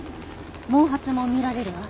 毛髪も見られるわ。